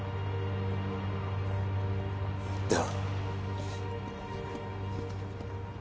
では